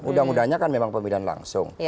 undang undangnya kan memang pemilihan langsung